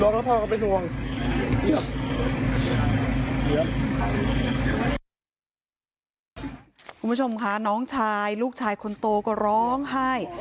คุณผู้ชมค่ะน้องชายลูกชายคนโตก็ร้องไห้